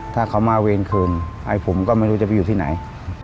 ถ้าเขามาเวรคืนไอ้ผมก็ไม่รู้จะไปอยู่ที่ไหน